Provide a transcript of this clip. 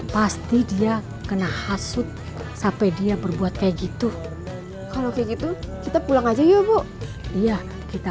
pasti dia kena hasut sampai dia berbuat kayak gitu kalau kayak gitu kita pulang aja yuk bu iya kita